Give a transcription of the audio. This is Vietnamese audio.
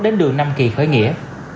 đến đường năm kỳ khơi nghĩa